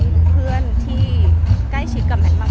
แม็กซ์ก็คือหนักที่สุดในชีวิตเลยจริง